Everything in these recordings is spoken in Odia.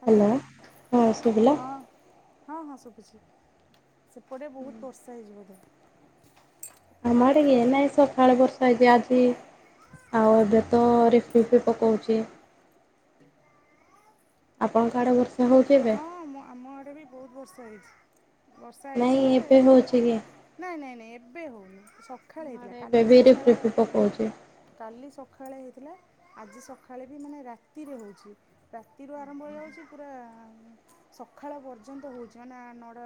ହାଲୋ, ହ୍ୟାଲୋ ହଁ ଶୁଭିଲା ହଁ। ହଁ-ହଁ ଶୁଭୁଛି, ସେପଟେ ବହୁତ୍ ବର୍ଷା ହେଇଚି ବୋଧେ? ଆମ ଆଡ଼େ କି ଏନାଇଁ ସଖାଳେ ବର୍ଷା ହେଇଚି ଆଜି। ଆଉ ଏବେ ତ [unintelligible] ପକଉଚି। ଆପଣଙ୍କ ଆଡ଼େ ବର୍ଷା? ହେଉଛି ଏବେ? ହଁ ମୁଁ ଆମ ଆଡ଼େ ବି ବହୁତ୍ ବର୍ଷା ହେଇଚି, ବର୍ଷା ନାଇଁ ହେଇଚି ଯେ ଏବେ ଏଯୋଉ ହଉଛି କି? ନାଇଁ-ନାଇଁ-ନାଇଁ ଏବେ ହଉନି ଆମ ସଖାଳେ ହେଇଥିଲା, ଆଡ଼େ ଏବେ କାଲି ବି ସଖାଳ ରିପିରିପି ପକଉଛି କାଲି ସଖାଳେ ହେଇଥିଲା, ଆଜି ସଖାଳେ ବି ମାନେ ରାତିରେ ହଉଚି। ରାତିରୁୁ ଆରମ୍ଭ ହେଇଯାଉଚି ପୁରା ସଖାଳ ପର୍ଯ୍ୟନ୍ତ ହଉଛି, ମାନେ ନଅଟା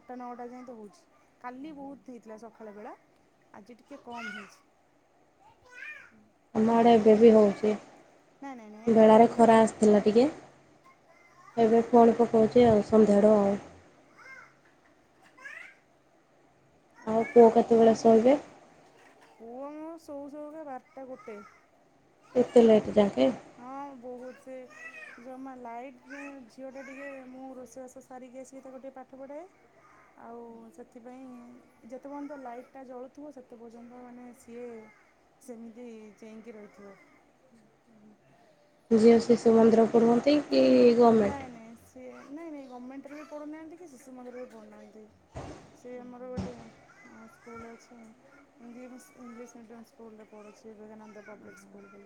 ଆଠଟା ନଅଟା ଯାଏଁ ତ ହଉଛି। କାଲି ବହୁତ୍ ହେଇଥିଲା ସଖାଳ ବେଳା, ଆଜି ଟିକେ କମ୍ ହେଇଛି। ଆମ ଆଡେ ଏବେ ବି ହଉଛି ନାଇଁ ନାଇଁ ନାଇଁ ଏବେ ବେଳାରେ ହେଉନି ଖରା ଆମର ଆସିଥିଲା ଟିକେ ଏବେ ପୁଣି ପକଉଚି ଆଉ ସନ୍ଧ୍ୟାଳୁ ଆଉ। ଆଉ ପୁଅ କେତେବେଳେ ଶୋଇବେ? ପୁଅ ମୋର ସୋଉ ସୋଉକା ବାରଟା ଗୋଟେ। ଏତେ ଲେଟ୍ ଯାଙ୍କେ? ହଁ ବହୁତ୍ ସେ ଜମା ଲାଇଟ୍ ଝିଅ ଟା ଟିକେ ମୁଁ ରୋଷେଇବାସ ସାରିକି ଆସିକି ତାକୁ ଟିିକେ ପାଠ ପଢ଼ାଏ। ଆଉ ସେଥିପାଇଁ ଯେତେ ପର୍ଯ୍ୟନ୍ତ ଲାଇଟ୍ ଟା ଜଳୁଥିବ, ସେତେ ପର୍ଯ୍ୟନ୍ତ ମାନେ ସିଏ ସେମିତି ଚେଇଁକି ରହିଥିବ। ଝିଅ ଶିଶୁ ମନ୍ଦିର ପଢ଼ୁଅନ୍ତି କି? ଗଭର୍ଣ୍ଣମେଣ୍ଟ? ନାଇଁ-ନାଇଁ ସିଏ ନାଇଁ-ନାଇଁ ଗମେଣ୍ଟ ରେ ବି ପଢ଼ୁନାହାନ୍ତି କି ଶିଶୁ ମନ୍ଦିରରେ ବି ପଢ଼ୁନାହାନ୍ତି। ସେ ଆମର ଗୋଟେ ସ୍କୁଲ୍ ଅଛି English English medium school school ରେ ପଡ଼ୁଚି ବିବେକାନନ୍ଦ ପବ୍ଲିକ୍ ସ୍କୁୁଲ୍।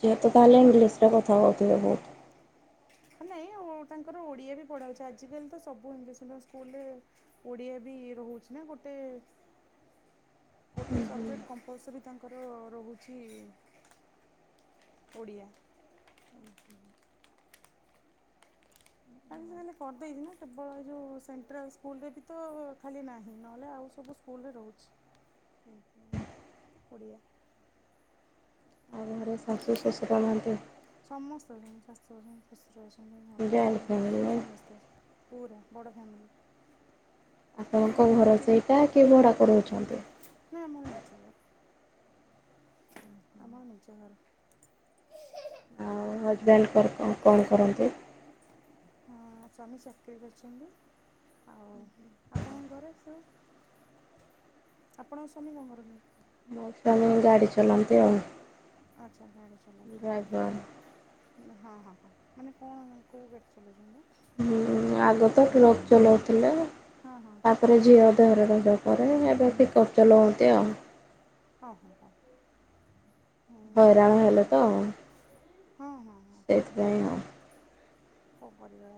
ଝିଅ ତ ତାହେଲେ ଇଂଲିଶ୍ ରେ କଥା କହୁଥିବ ବହୁତ୍? [unintelligible] ନାଇଁ ଓ ତାଙ୍କର ଓଡ଼ିଆରେ ପଢ଼ା ହଉଚି, ଆଜିକାଲି ତ ସବୁ ଇଂଲିଶ୍ ମିଡ଼ିୟମ୍ ସ୍କୁଲରେ ଓଡିଆ ବି ରହୁଚି ନା ଗୋଟେ ଗୋଟେ ସବଜେକ୍ଟ କମ୍ପଲସରୀ ତାଙ୍କର ରହୁଚି ଓଡ଼ିଆ। [unintelligible] କରିଦେଇଚି ନା କେବଳ ଏ ଯେଉ ସେଣ୍ଟ୍ରାଲ୍ ସ୍କୁଲରେ ବି ତ ଖାଲି ନାହିଁ, ନହେଲେ ଆଉ ସବୁ ସ୍କୁଲରେ ରହୁଛି। [unintelligible] ଓଡ଼ିଆ। ଆଉ ଘରେ ଶାଶୁ ଶଶୁର ନାହାନ୍ତି। ସମସ୍ତେ ଅଛନ୍ତି, ଶାଶୁ ଅଛନ୍ତି, ଶଶୁର ଅଛନ୍ତି, ନଣନ୍ଦ ଜଏଣ୍ଟ ଅଛନ୍ତି, ଦିଅର ଫ୍ୟାମିଲି ଅଛନ୍ତି, ନାଇଁ? ସମସ୍ତେ ଅଛନ୍ତି। ପୂରା ବଡ଼ ଫ୍ୟାମିଲି। ଆପଣଙ୍କ ଘରେ ଘର କିଏ ସେଇଟା କି ଭଡ଼ା କୁ ରହୁଛନ୍ତି? ନା ଆମର ନିଜ ଘର। ଆମର ନିଜ ଘର। ଏ ହଜବେଣ୍ଡ କର କଣ କଣ କରନ୍ତି? ହଁ ସ୍ୱାମୀ ଚାକିରି କରିଛନ୍ତି। ଆଉ ଆମ ଘରେ ସୁ ଆପଣଙ୍କ ସ୍ବାମୀ କଣ କରନ୍ତି? ମୋ ସ୍ୱାମୀ ଗାଡ଼ି ଚଲାନ୍ତି ଆଉ। ଆଚ୍ଛା ଗାଡ଼ି ଚଲଉଛନ୍ତି। ଡ୍ରାଇଭର। ମାନେ ହଁ, ହଁ, ହଁ ମାନେ କଣ କୋଉ ଗାଡ଼ି ଚଲଉଛନ୍ତି? ହୁଁ ଆଗ ତ ଟ୍ରକ୍ ଚଲଉଥୁଲେ। ହଁ, ହଁ। ତାପରେ ଝିଅ ଦେହରେ ରହିଲା ପରେ ଏବେ ପିକଅପ୍ ଚଲାନ୍ତି ଆଉ। ହଁ, ହଁ, ହଁ। ହଇରାଣ ହେଲେ ସ୍ୱାମୀ ତ। ଚାକିରି ହଁ, ହଁ, ହଁ। ସେଇଥିପାଇଁ ଆଉ। କଣ କରିବା?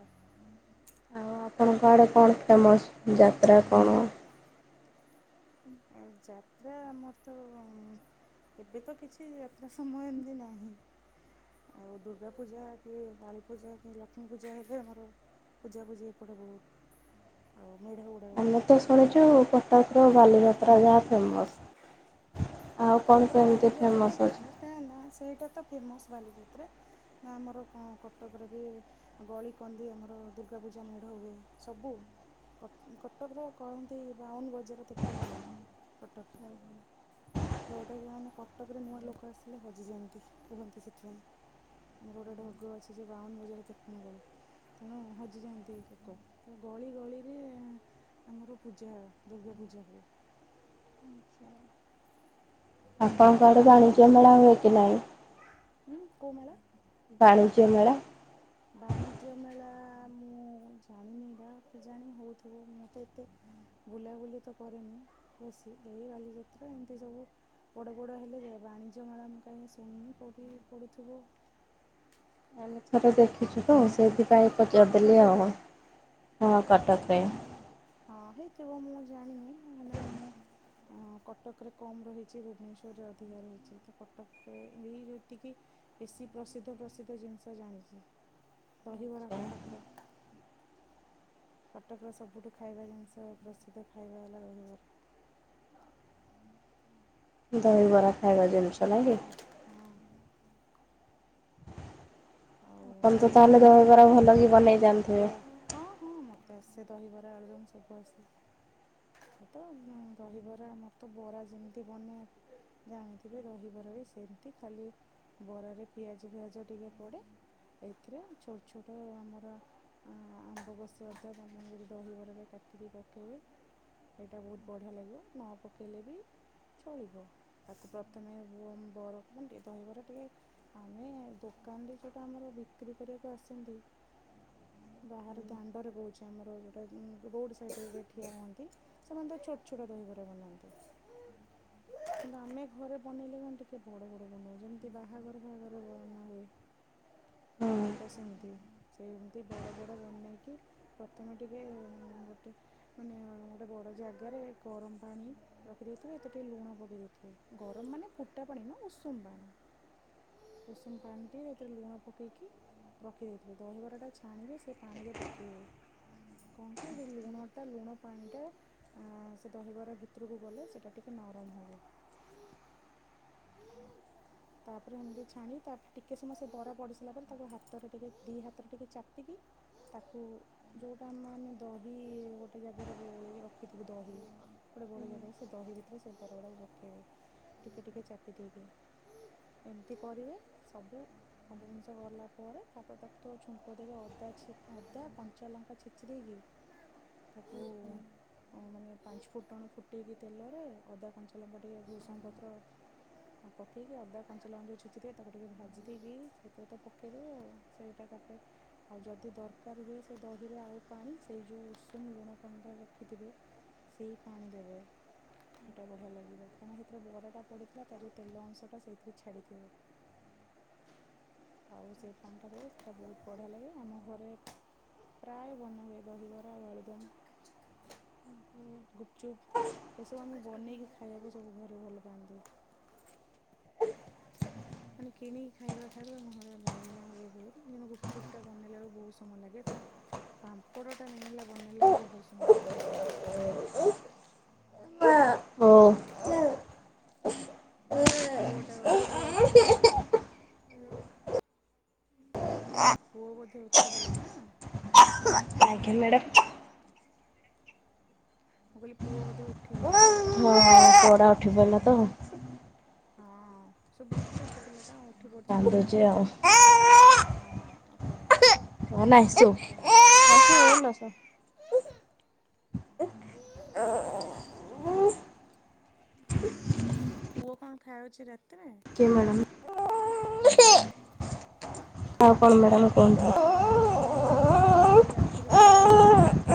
ଆଉ ଆପଣଙ୍କ ଆଡ଼େ କଣ ଫେମସ୍ ଯାତ୍ରା କଣ? ଆଉ ଯାତ୍ରା ଆମର ତ ଉଁ, ଏବେ ତ କିଛି ଯାତ୍ରା ସମୟ ଏମିତି ନାହିଁ। ଆଉ ଦୁର୍ଗା ପୂଜା କି କାଳୀ ପୂଜା କି ଲକ୍ଷ୍ମୀ ପୂଜା ହେଲେ ଆମର ପୂଜା ପୁଜି ଏପଟେ ବହୁତ। ଆଉ ମେଢ ଗୁ ଆମେ ତ ଶୁଣିଛୁ କଟକର ବାଲିଯାତ୍ରା ଯାହା ଫେମସ୍। ଆଉ କଣ କଟକର ସେମିତି ବାଲିଯାତ୍ରା ତ ଅଛି? ଫେମସ୍ ତା ନା ସେଇଟା ତ ଫେମସ୍ ବାଲିଯାତ୍ରା ନା ଆମର କଣ କଟକରେ ବି ଗଳି କନ୍ଦି ଆମର ଦୁର୍ଗା ପୂଜା ମେଢ ହୁଏ। ସବୁ କଟ କଟକର କହନ୍ତି ବାଉନ ବଜାର ତେପନ ଗଳି କଟକରେ। ଯୋଉଟା କିି ମାନେ କଟକରେ ନୂଆ ଲୋକ ଆସିଲେ ହଜିଯାଆନ୍ତି କୁହନ୍ତି ସେଥିପାଇଁ। ଆମର ଗୋଟେ ଢଗ ଅଛି ଯେ ବାଉନ ବଜାର ତେପନ ଗଳି। ତେଣୁ ହଜିଯାଆନ୍ତି ଲୋକ, ତ ଗଳି ଗଳିରେ ଆମର ପୂଜା, ଦୁର୍ଗା ପୂଜା ହୁଏ। [inaudible] ଆପଣଙ୍କ ଆଡେ ବାଣିଜ୍ୟ ମେଳା ହୁଏକି ନାଇଁ? ହୁଁ, କୋଉ ମେଳା? ବାଣିଜ୍ୟ ମେଳା। ବାଣିଜ୍ୟ ମେଳା ମୁଁ ଜାଣିନି ବା କେଜାଣି ହଉଥୁବ। ମୁଁ ତ ଏତେ ବୁଲାବୁଲି ତ କରେନି ବେଶୀ ଏଇ ବାଲିଯାତ୍ରା ଏମିତି ସବୁ। ବଡ଼ ବଡ଼ ହେଲେ ଯାଏ। ବାଣିଜ୍ୟ ମେଳା ମୁଁ କାଇଁ ଶୁଣିନି କୋଉଠି ପଡ଼ୁଥୁବ। ଆମେ ଥରେ ଦେଖିଛୁ ତ ସେଇଥିପାଇଁ ପଚାରଦେଲି ଆଉ। କଟକରେ ହଁ କଟକରେ। ହଁ ହେଇଥିବ, ମୁଁ ଜାଣିନି। ମୁଁ ମାନେ ମୁଁ ଅଁ, କଟକରେ କମ୍ ରହିଛି, ଭୁବନେଶ୍ୱରରେ ଅଧିକା ରହିଛି। ତ କଟକରେ ଏହି ଯେତିକି ବେଶୀ ପ୍ରସିଦ୍ଧ ପ୍ରସିଦ୍ଧ ଜିନିଷ ଜାଣିଛି। ଦହିବରା କଟକର। କଟକର ସବୁଠୁ ଖାଇବା ଜିନିଷ ପ୍ରସିଦ୍ଧ ଖାଇବା ହେଲା ଦହିବରା। ଦହିବରା ଖାଇବା ଜିନଷ ନାଇ ହଁ କି? ହଁ। ଆଉ ତମେ ତ ସେଇ ତାହେଲେ ଯେମିତି ଦହିବରା ଭଲ କି ବନେଇ ଜାଣିଥିବେ। ହୁଁ ମୋତେ ଆସେ ଦହିବରା ଆଲଦମ୍ ସବୁ ଆସେ। ସେ ତ ଦହିବରା ମୋର ତ ବରା ଯେମିତି ବନେଇଆ ଜାଣିଥିବେ ଦହିବରାରେ ସେମିତି ଖାଲି ବରାରେ ପିଆଜ ଫିଆଜ ଟିକେ ପଡ଼େ। ଏଥିରେ ଛୋଟ୍ ଛୋଟ ଆମର। ଆମ୍ବକଷି ଅଦା ରେ ଦହିବରାରେ କାଟିକି ପକାଇବେ। ସେଇଟା ବହୁତ୍ ବଢ଼ିଆ ଲାଗିବ ନ ପକେଇଲେ ବି। ଚଳିବ ତାକୁ ପ୍ରଥମେ ବ ମ୍ବ ବରା ଟିକେ ଦହିବରା ଟିକେ ଆମେ ଦୋକାନରେ ଯେଉଟା ଆମର ବିକ୍ରି କରିବାକୁ ଆସନ୍ତି। ବାହାର ଦାଣ୍ଡରେ କହୁଛି ଆମର ଯୋଉଟା ରୋଡ ୍ ସାଇଡ୍ ରେ ଯୋଉଟା ଠିଆ ହୁଅନ୍ତି। ସେମାନେ ତ ଛୋଟ୍ ଛୋଟ ଦହିବାରା ବନାନ୍ତି। କିନ୍ତୁ ଆମେ ଘରେ ବନେଇଲେ କଣ ଟିକେ ବଡ଼ ବଡ଼ ବନାଉ ଯେମିତି ବାହାଘର ଫାହାଘର ବନାହୁଏ। ହଁ ତ ସେମିତି ସେ ଏମତି ବଡ଼ ବଡ଼ ବନେଇକି ପ୍ରଥମେ ଟିକେ ଗୋଟେ ମାନେ ଗୋଟେ ବଡ଼ ଜାଗାରେ ଗରମ ପାଣି ରଖିଦେଇଥିବେ ଏଥିରେ ଟିକେ ଲୁଣ ପକେଇ ଦେଇଥିବେ ଗରମ ମାନେ ଫୁଟା ପାଣି ନା ଉଷୁମ ପାଣି। ଉଷୁମ ପାଣିଟି ଏଥିରେ ଲୁଣ ପକେଇକି। ରଖିଦେଇଥିବେ ଦହିବରା ଟା ଛାଣିବେ ସେ ପାଣିରେ ପକାଇବେ। କଣ କି ସେଇ ଲୁଣ ଟା ଲୁଣ ପାଣି ଟା ଆଁ ସେ ଦହିବରା ଭିତରକୁ ଗଲେ ସେଇଟା ଟିକିଏ ନରମ ହେବ। ହ [unintelligible] ତାପରେ ହେମିତି ଛାଣି ତାପରେ ଟିକେ ସମୟ ସେ ବରା ପଡ଼ି ସିରିଲା ପରେ ତାକୁ ହାତରେ ଟିକେ ଦିଇ ହାତରେ ଟିକେ ଚାପିକି ତାକୁ ଯେଉଁଟା ଆମେ ଆମେ ଦହି ଗୋଟେ ଜାଗାରେ ଗୋଳଇକି ରଖିଥିବୁ ଦହି। ଗୋଟେ ବଡ ଜାଗାରେ ସେ ଦହି ଭିତଥରେ ସେ ବରଗଡ଼ାକୁ ପକେଇବେ ଟିକେ ଟିକେ ଚାପି ଦେଇକି। ଏମ୍ତି କରିବେ ସବୁ ସବୁ ଜିନିଷ ଗଲା ପରେ ତାପରେ ତାକୁ ତ ଛୁଙ୍କ ଦେବେ ଅଦା ଛି ଅଦା କଞ୍ଚା ଲଙ୍କା ଛେଚି ଦେଇକି ତାକୁ ଅ ମାନେ ପାଞ୍ଚ ଫୁଟଣ ଫୁଟେଇକି ତେଲରେ ଅଦା କଞ୍ଚା ଲଙ୍କା ଟିକେଏ ଭୂଷଙ୍ଗପତ୍ର ଆଉ ପକେଇକି ଅଦା କଞ୍ଚା ଲଙ୍କା ଯେଉଁ ଛେଚିଥିବେ ତାକୁ ଟିକେ ଭାଜି ଦେଇକି ସେଥିରେ ତ ପକେଇଦେବେ ଆଉ ସେଇଟା ତାପରେ ଆଉ ଯଦି ଦରକାର ହୁଏ ସେ ଦହିରେ ଆଉ ପାଣି ସେଇ ଯେଉଁ ଉଷୁମ ଲୁଣ ପାଣିଟାରେ ରଖିଥିବେ ସେଇ ପାଣି ଦେବେ ସେଇଟା ବଢିଆ ଲାଗିବ କାହିଁକି ନା ସେଥିରେ ବରାଟା ପଡି଼ଥା ଥିଲା ତା ଯେଉ ତେଲ ଅଂଶଟା ସେଇଥିରେ ଛାଡ଼ିଥିବ। ଆଉ ସେଇ ପାଣିଟାରେ ଦେଲେ ବହୁତ୍ ବଢ଼ିଆ ଲାଗେ ଆମ ଘରେ ପ୍ରାଏ ବନା ହୁଏ ଦହିବରା ଆଳୁ ଦମ୍। ଗୁପଚୁପ୍ ଏସବୁ ଆମେ ବନେଇକି ଖାଇବାକୁ ସବୁ ଘରେ ଭଲ ପାଆନ୍ତି। [unintelligible] ମାନେ କିଣିକି ଖାଇବା ଠାରୁ ଆମ ଘରେ ବନେଇବା ହୁଏ ବହୁତ୍ ମାନେ ଗୁପ୍ ଚୁପ ଟା ବନେଇଲା ବେଳକୁ ବହୁତ ସମୟ ଲାଗେ ତା ପାମ୍ପଡ଼ ଟା ମେନ୍ ହେଲା ବନେଇିଲା ବେଳକୁ ବହୁତୁ ଶମୟ ଲାଗେ। [unintelligible] [unintelligible] ଓ ପୁଅଟା ପୁଅ ଉଠିଗଲେ ବୋଧେ। ପୁଅ ବୋଧେ ଉଠିଗଲେ ନା କଣ ଆଜ୍ଞା ମ୍ୟାଡ଼ମ୍। ମୁଁ କହିଲି ପୁଅ ବୋଧେ ଉଠିଗଲେ ଶୋଇଥିଲେ। ହଁ ପୁଅଟା ଉଠି ପାଡ଼ିଲା ତ ହଁ ସୁବୁଛି ଛୋଟ ପିଲାଟା ଉଠି ପଡୁଛି କାନ୍ଦୁଛି ନିଦଭାଙ୍ଗିଯିବ। ଆଉ। ହଁ ଆଉ କଣ କରିବା ଆଉ ଛୋଟ କଲ୍ ପିଲା ଆସୁ ନିଦ ହଁ ସେ ଏଲସ [unintelligible] [unintelligible] ପୁଅ କଣ ଖାୟାଉଛି ରାତିରେ? କି ମ୍ୟାଡ଼ମ୍। ଆଉ କଣ ମ୍ୟାଡାାମ କୁହନ୍ତୁ? ହଁ ମୁଁ କଇଲି ରାତିରେ ପୁଅ କଣ ଖାଉଛି?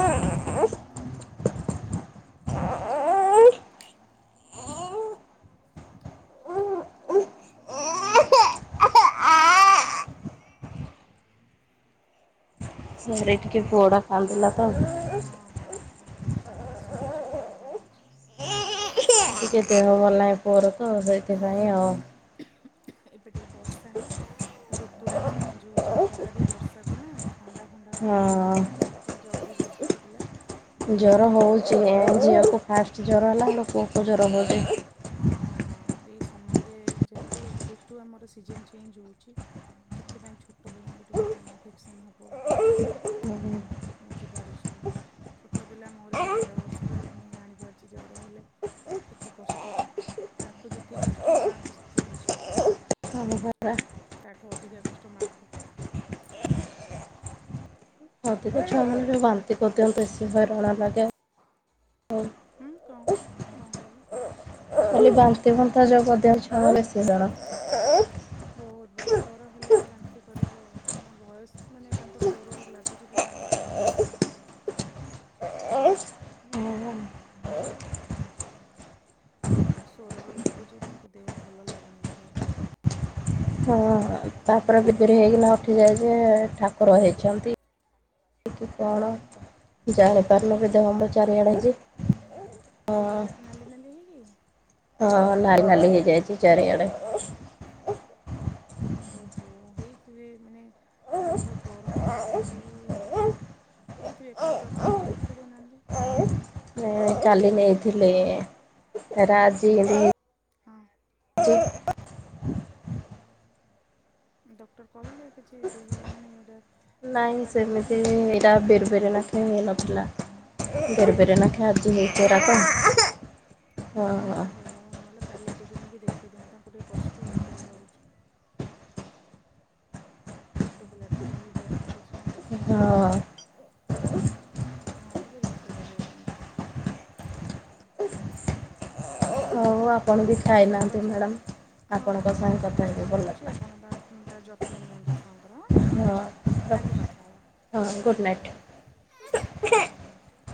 ସିଆଡେ ଟିକେ ପୁଅଟା କାନ୍ଦିଲା ତ। ହଁ ହଁ କାନ୍ଦୁଛି ମତେ ସୁଭୁଛି ପୁଅଟା କାନ୍ଦୁଛି। ଟିକେ ଦେହ ଭଲ ନାହିଁ ପୁଅର ତ ସେ ହଁ, ହଁ, ହଁ। ଏବେ ଟିକେ ବର୍ଷା ନା, ଋତୁଟା ଚେଞ୍ଜ ହେଉଛି ଖରାରୁ ବର୍ଷାକୁ ନା। ଥଣ୍ଡା ଫଣ୍ଡା ହବ, ଟିକେ ହଁ ଜର ଫର, ଟିକେ ଜଗିକି ଛୋଟ ପିଲା। ଜର ହଉଛି। ଏ ଝିଅକୁ ଫାଷ୍ଟ ଜର ହେଲା, ଏଇଲେ ପୁଅକୁ ଜର ହେଉଛି। ହୁଁ ହୁଁ ହୁଁ। ହଁ ଏଇ ସମୟରେ ଯେହେତୁ ଋତୁ ଆମର ସିଜନ ସିଜିନ୍ ଚେଞ୍ଜ୍ ହେଉଛି ସେଥିପାଇଁ ଛୋଟ ପିଲାଙ୍କୁ ଟିକେ ଇନଫେକ୍ସନ୍ ହବ। ବୁଝିପାରୁଛୁ। ଛୋଟ ପିଲା ମୋର ବି ଦେଢ ବର୍ଷର, ତେଣୁ ମୁଁ ଜାଣିପାରୁଛି ଜର ହେଲେ କେତେ କଷ୍ଟ। ତାଙ୍କୁ ଯେତିକି କଷ୍ଟ ମାଆଙ୍କୁ ସେତିକି କଷ୍ଟ। ପରା ତାଠୁ ଅଧିକା କଷ୍ଟ ମାକୁ। ଅଧିକ ଛୁଆମାନଙ୍କୁ ଯୋଉ ବାନ୍ତି କରିଦିଅନ୍ତି ବେଶୀ ବା ରଣା ଲାଗେ। ହୁଁ କଣ କଣ କହିଲେ? ଖାଲି ବାନ୍ତି ଫାନ୍ତି ଯେଉ କରି ଦିଅନ୍ତି ଛୁଆ ଙ୍କୁ ବେଶୀ ଜଣ। ବୋହୁତ୍ ବୋହୁତ୍, ଜର ହେଲେ ତ ବାନ୍ତି କରିବ। ତାଙ୍କ ଭଏସ୍ ମାନେ ତାଙ୍କ ସ୍ୱରରୁ ଲାଗୁଛି ତ ତାଙ୍କ ଦେହ ଭଲ ନାହିଁ ବୋଲି। ତାଙ୍କ ସ୍ୱରରୁ ଲାଗୁଛି ତାଙ୍କ ଦେହ ଭଲ ଲାଗୁନି ଦେହ। ହଁ। ତାପରେ ବିିଦୁର ହେଇକିନା ଉଠିଯାଇଛି ଯେ ଠାକୁର ହେଇଛନ୍ତି। କି କଣ ଜାଣି ପାରୁନି ଦେହରେ ଦେହ ମୁଣ୍ଡ ଚାରିଆଡେ ହେଇଛି। ହଁ ଦେହରେ ନାଲି ନାଲି ହେଇ କି? ହଁ ନାଲି ନାଲି ହେଇକି। ହଁ। ଓହୋ। ହେଇଥିବେ, ମାନେ ଦେହ ଗରମ ହେଇକି ବି ହେଇଥିବେ କାଳେ ଡକ୍ଟର ଟିକେ ଦେଖାଇ ଦେଉନାହାନ୍ତି। କାଲି ନେଇଥିଲେ, ଫେରେ ଆଜି ଏମ୍ତି ହେଇ ହୁଁ। ଡକ୍ଟର କହିଲେ କିଛି ଦେହ ମାନେ ଏଇରା ନାଇଁ ସେମିତି ଏରା ବିରି ବିରି ନଥିଇ, ନଥିଲା ବିରି ବିରି ନ୍ ତା ଦେହ ସେମିତି କିଛି କଣ ଖରାପ୍ ହ ହ ଓହୋ ନହେଲେ କାଲି ଟିକେ ନେଇକି ଦେଖେଇ ଦିଅନ୍ତୁ, ତାଙ୍କୁ ଟିକେ କଷ୍ଟ ହେଉଥିବ ଲାଗୁଛି। ଛୋଟ ପିଲା ଟା କହି ପାରୁନି କିଛି ନାଇଁ କଷ୍ଟ ହଁ ହଉଥିବ। ହଁ ଟିକେ ଦେଖାଇଦେବେ ନେଇକି। ହୋଉ ଆପଣ ବି ଠିକ୍ ଖାଇନାହାନ୍ତି ଅଛି ମ୍ୟାଡ଼ାମ୍। ଆପ- ହଁ ହଁ ଆପଣଙ୍କ ମୁଁ ସାଙ୍ଗେ କଥା ଯାଉଛି ମୁଁ ହେଇକି ଭଲ ରଖୁଛି ଲାଗିଲା। ଆପଣ ତା ତା ଯତ୍ନ ନିଅନ୍ତୁ ଛୁଆଙ୍କର। ରଖୁଛୁ, ହଁ କାଲି କଥା ହେବା, ହଁ ଗୁଡ଼୍ ନାଇଟ୍। ହଁ ଗୁଡ଼୍ ନାଇଟ୍।